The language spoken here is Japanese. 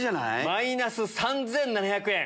マイナス３７００円。